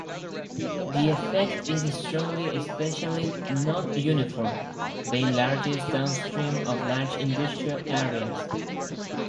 The effect is strongly spatially non-uniform, being largest downstream of large industrial areas.